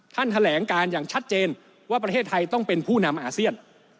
แถลงการอย่างชัดเจนว่าประเทศไทยต้องเป็นผู้นำอาเซียน